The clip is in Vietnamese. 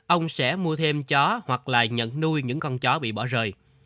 ông sẽ mua thêm chó hoặc là nhận nuôi những con chó bị bỏ rời